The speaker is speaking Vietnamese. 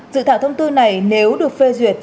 dự thảo thông tư này nếu được phê duyệt